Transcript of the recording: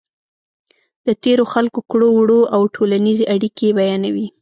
د تېرو خلکو کړو وړه او ټولنیزې اړیکې بیانوي.